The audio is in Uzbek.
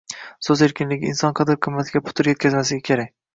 so'z erkinligi inson qadr -qimmatiga putur etkazmasligi kerak